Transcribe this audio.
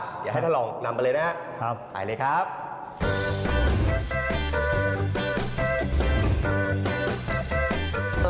เดี๋ยวให้ท่านลองนำไปเลยนะครับไปเลยครับ